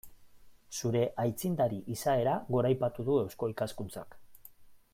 Zure aitzindari izaera goraipatu du Eusko Ikaskuntzak.